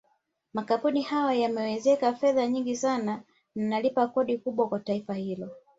Makampuni hayo yamewekeza fedha nyingi sana na yanalipa kodi kubwa kwa taifa hilo